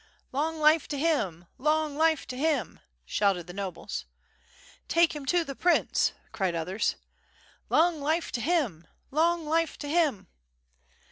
..." "Long life to him! long life to him!" shouted the nobles. "Take him to the prince," cried others. "Long life to him! Long life to him!"